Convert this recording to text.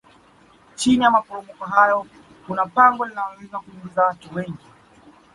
chini ya maporomoko hayo kuna pango linaloweza kuingiza watu wengi